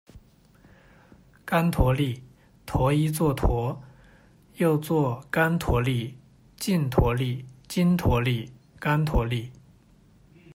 干陀利，陀一作陁，又作干陁利、近陁利、斤陀利、干陀利。